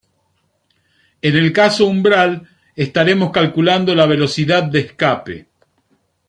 En el caso umbral estaremos calculando la velocidad de escape.